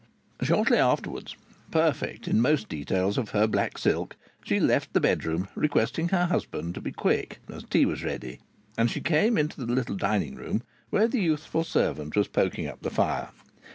Shortly afterwards, perfect in most details of her black silk, she left the bedroom, requesting her husband to be quick, as tea was ready. And she came into the little dining room where the youthful servant was poking up the fire.